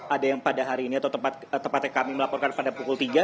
ada yang pada hari ini atau tempatnya kami melaporkan pada pukul tiga